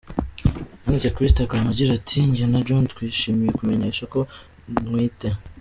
Yanditse kuri Instagram agira ati,“Njye na John twishimiye kubamenyesha ko ntwite”.